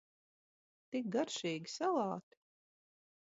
Tik garšīgi salāti!